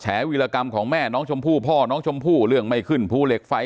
วิรกรรมของแม่น้องชมพู่พ่อน้องชมพู่เรื่องไม่ขึ้นภูเหล็กไฟ